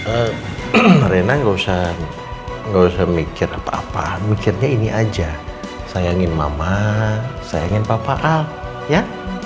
ehm rena gak usah mikir apa apa mikirnya ini aja sayangin mama sayangin papa al ya